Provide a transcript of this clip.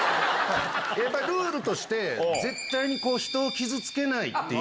やっぱりルールとして、絶対に人を傷つけないっていう。